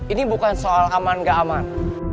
ini bukan soal aman nggak aman